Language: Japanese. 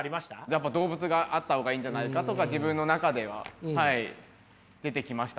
やっぱ動物があった方がいいんじゃないかとか自分の中では出てきましたね。